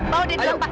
bawa dia ke rumah pak